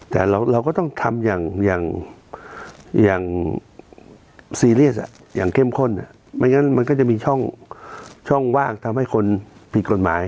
แต่เราก็ต้องทำอย่างซีเรียสอย่างเข้มข้นไม่งั้นมันก็จะมีช่องว่างทำให้คนผิดกฎหมาย